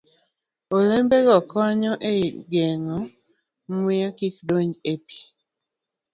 Olembego konyo e geng'o muya kik donj e pi.